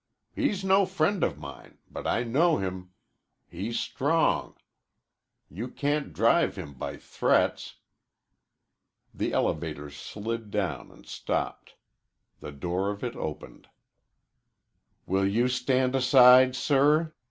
He's no friend of mine, but I know him. He's strong. You can't drive him by threats." The elevator slid down and stopped. The door of it opened. "Will you stand aside, sir?"